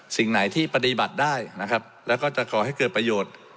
สิ่งไหนที่ปฏิบัติได้นะครับแล้วก็จะก่อให้เกิดประโยชน์